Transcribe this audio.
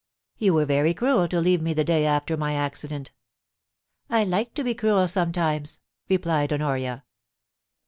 *You were very cruel to leave me the day after my accident' * I like to be cruel sometimes,' replied Honoria.